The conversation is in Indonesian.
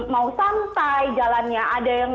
mau santai jalannya ada yang